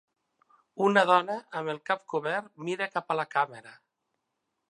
Una dona amb el cap cobert mira cap a la càmera